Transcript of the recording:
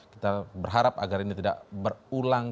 kita berharap agar ini tidak berulang